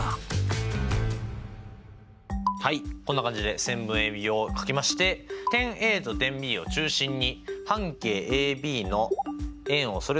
はいこんな感じで線分ＡＢを書きまして点Ａと点Ｂを中心に半径ＡＢの円をそれぞれを描いていきたいと思います。